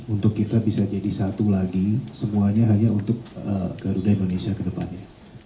untuk kita bisa jadi satu lagi semuanya hanya untuk garuda indonesia ke depannya